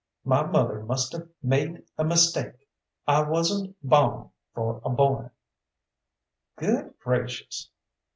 "My mother must have made a mistake I wasn't bawn for a boy." "Good gracious!"